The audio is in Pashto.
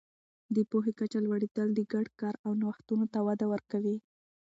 د پوهې کچه لوړېدل د ګډ کار او نوښتونو ته وده ورکوي.